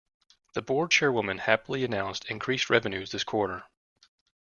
The board chairwoman happily announced increased revenues this quarter.